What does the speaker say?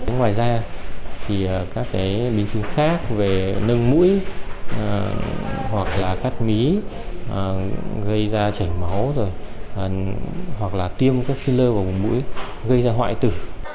ngoài ra thì các biến chứng khác về nâng mũi hoặc là cắt mí gây ra chảy máu rồi hoặc là tiêm các phi lơ vào vùng mũi gây ra hoại tử